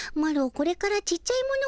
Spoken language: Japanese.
これからちっちゃいもの